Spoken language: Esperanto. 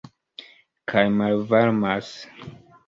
Kaj malvarmas.